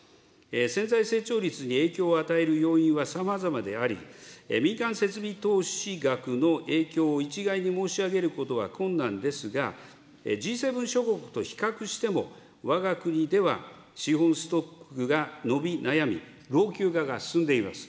潜在成長率に影響を与える要因はさまざまであり、民間設備投資額の影響を一概に申し上げることは困難ですが、Ｇ７諸国と比較しても、わが国では資本ストックが伸び悩み、老朽化が進んでいます。